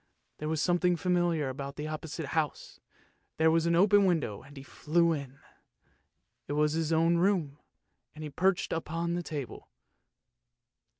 There was something familiar about the opposite house; there was an open window, and he flew in. it was his own room, and he perched upon the table.